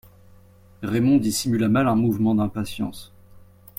Raymond dissimula mal un mouvement d'impatience.